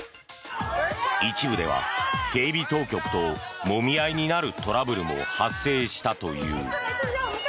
一部では警備当局ともみ合いになるトラブルも発生したという。